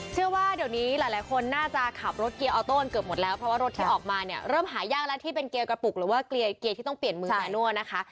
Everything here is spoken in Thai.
เชื่อว่าเดี๋ยวนี้หลายคนน่าจะขับรถเกียร์ออโต้กันเกือบหมดแล้วเพราะว่ารถที่ออกมาเนี่ยเริ่มหายากแล้วที่เป็นเกียร์กระปุกหรือว่าเกียร์ที่ต้องเปลี่ยนมือมานั่วนะคะ